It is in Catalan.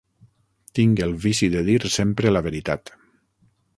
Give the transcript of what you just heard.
Tinc el vici de dir sempre la veritat.